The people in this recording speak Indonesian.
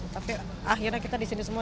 tapi akhirnya kita disini semua